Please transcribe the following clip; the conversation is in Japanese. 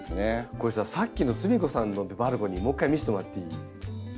これささっきのすみこさんのバルコニーもう一回見せてもらっていい？